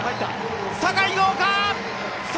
坂井、どうか！